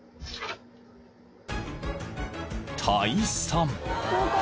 ［退散］